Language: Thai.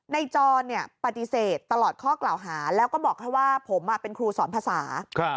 จรปฏิเสธตลอดข้อกล่าวหาแล้วก็บอกให้ว่าผมเป็นครูสอนภาษา